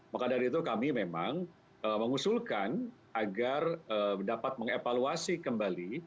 maka dari itu kami memang mengusulkan agar dapat mengevaluasi kembali